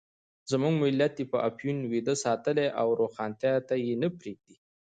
زموږ ملت یې په افیون ویده ساتلی او روښانتیا ته یې نه پرېږدي.